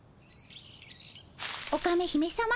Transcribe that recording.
オカメ姫さま。